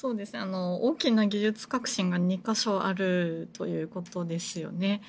大きな技術革新が２か所あるということですよね。